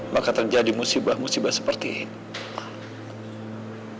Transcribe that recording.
maka terjadi musibah musibah seperti ini